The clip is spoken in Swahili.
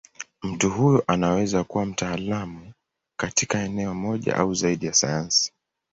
Mtu huyo anaweza kuwa mtaalamu katika eneo moja au zaidi ya sayansi.